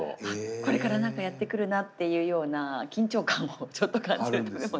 これから何かやって来るなっていうような緊張感もちょっと感じる食べ物なんですけど。